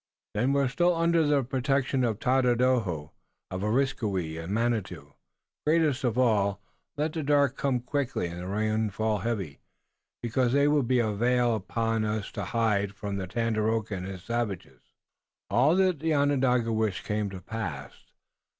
"Then we are still under the protection of Tododaho, of Areskoui and of Manitou, greatest of all. Let the dark come quickly and the rain fall heavily, because they will be a veil about us to hide us from Tandakora and his savages." All that the Onondaga wished came to pass.